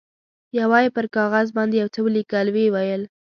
یوه یې پر کاغذ باندې یو څه ولیکل، ویې ویل.